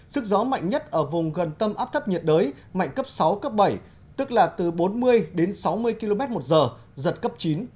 sức gió mạnh nhất ở vùng gần tâm áp thấp nhiệt đới mạnh cấp sáu cấp bảy tức là từ bốn mươi đến sáu mươi km một giờ giật cấp chín